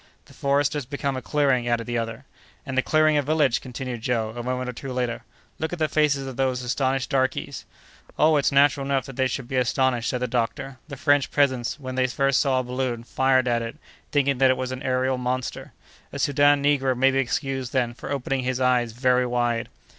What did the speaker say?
"The forest has become a clearing!" added the other. "And the clearing a village!" continued Joe, a moment or two later. "Look at the faces of those astonished darkys!" "Oh! it's natural enough that they should be astonished," said the doctor. "The French peasants, when they first saw a balloon, fired at it, thinking that it was an aërial monster. A Soudan negro may be excused, then, for opening his eyes VERY wide!"